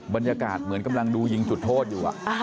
บรรยากาศเหมือนกำลังดูยิงจุดโทษอยู่